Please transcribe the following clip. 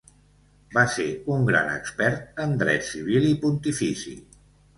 Va ser un gran expert en dret civil i pontifici.